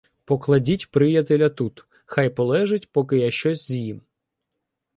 — Покладіть приятеля тут — хай полежить, поки я щось з'їм.